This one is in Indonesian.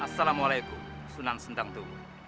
assalamualaikum sunan sendangtuur